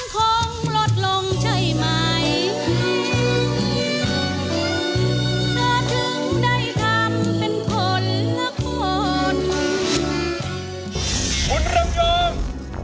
คุณรำยง